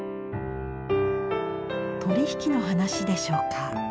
取り引きの話でしょうか。